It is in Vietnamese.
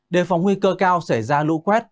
để phòng nguy cơ cao xảy ra lũ quét